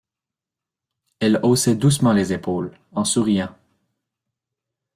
Elle haussait doucement les épaules, en souriant.